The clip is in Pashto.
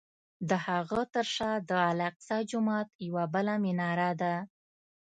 د هغه تر شا د الاقصی جومات یوه بله مناره ده.